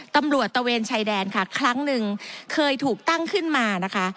ตะเวนชายแดนค่ะครั้งหนึ่งเคยถูกตั้งขึ้นมานะคะ